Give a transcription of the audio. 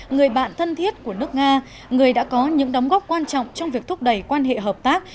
người bạn thân thiết của nước nga người đã có những đóng góp quan trọng trong việc thúc đẩy quan hệ hợp tác